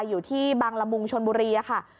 อยู่ที่บางละมุงชนบุรีค่ะ